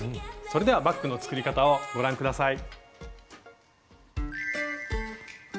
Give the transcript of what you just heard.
それではバッグの作り方をご覧下さい。